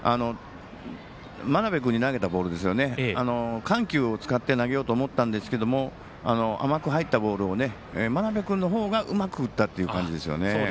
真鍋君に投げたボール緩急を使って投げようと思ったんですけども甘く入ったボールを真鍋君のほうがうまく打ったという感じですね。